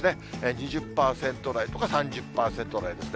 ２０％台とか３０％台ですね。